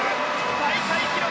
大会記録！